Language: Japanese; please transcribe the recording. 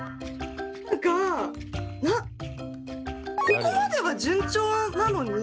何かここまでは順調なのに。